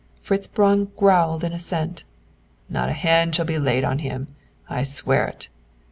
Fritz Braun growled an assent. "Not a hand shall be laid on him. I swear it!"